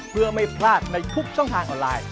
เพื่อไม่พลาดในทุกช่องทางออนไลน์